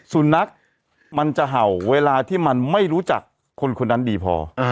สุนัขมันจะเห่าเวลาที่มันไม่รู้จักคนคนนั้นดีพอ